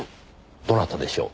どなたでしょう？